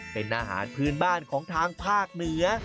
เป็นอาหารพื้นบ้านของทางภาคเหนือ